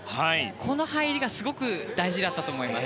この入りがすごく大事だったと思います。